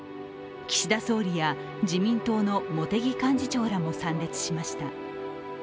岸田総理や、自民党の茂木幹事長らも参列しました。